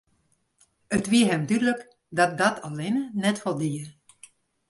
It wie him dúdlik dat dat allinne net foldie.